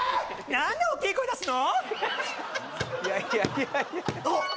なんで大きい声出すの？